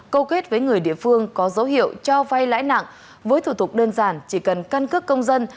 câu kết với người địa phương có dấu hiệu cho vay lãi nặng với thủ tục đơn giản chỉ cần căn cước công dân